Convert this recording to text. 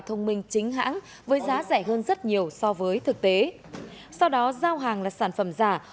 thông minh chính hãng với giá rẻ hơn rất nhiều so với thực tế sau đó giao hàng là sản phẩm giả